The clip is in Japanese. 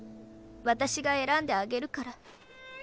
私が選んであげるから。